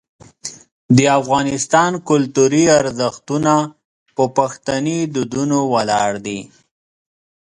د افغانستان کلتوري ارزښتونه په پښتني دودونو ولاړ دي.